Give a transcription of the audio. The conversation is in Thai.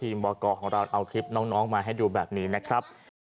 วกรของเราเอาคลิปน้องมาให้ดูแบบนี้นะครับ